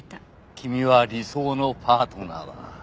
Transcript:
君は理想のパートナーだな。